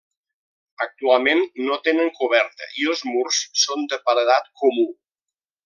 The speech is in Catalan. Actualment no tenen coberta i els murs són de paredat comú.